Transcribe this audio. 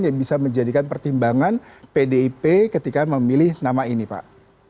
yang bisa menjadikan pertimbangan pdip ketika memilih nama ini pak